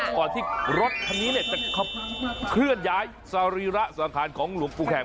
ก่อนที่รถคันนี้จะเคลื่อนย้ายสรีระสังขารของหลวงปู่แขก